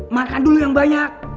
makan dulu yang banyak